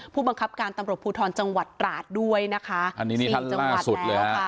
ผู้บังคับการตำรวจภูทรจังหวัดตราดด้วยนะคะอันนี้นี่หลายจังหวัดสุดเลยค่ะ